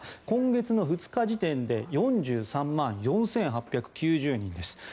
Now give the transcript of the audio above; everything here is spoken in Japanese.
今月の２日時点で４３万４８９０人です。